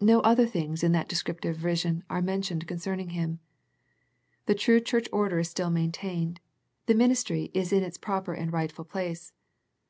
No other things in that de scriptive vision are nientioned concerning Him. The true Church order is still maintained, the ministry is in its proper and rightful place.